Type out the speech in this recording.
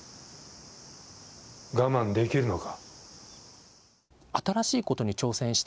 我慢できるのか。